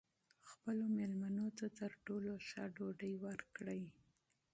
خپلو مېلمنو ته تر ټولو ښه ډوډۍ ورکړئ.